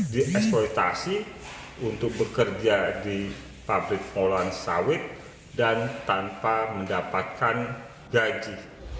dieksploitasi untuk bekerja di pabrik olahan sawit dan tanpa mendapatkan gaji